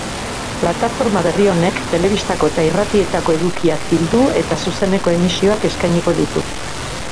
Plataforma berri honek telebistako eta irratietako edukiak bildu eta zuzeneko emisioak eskainiko ditu.